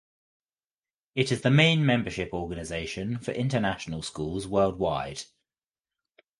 It is the main membership organization for international schools worldwide.